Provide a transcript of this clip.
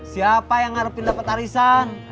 siapa yang harapin dapat arissa